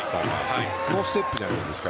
ノーステップじゃないですか。